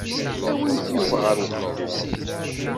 Awimt Yuba ɣer uxxam.